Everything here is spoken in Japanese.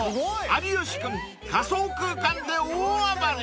［有吉君仮想空間で大暴れ！］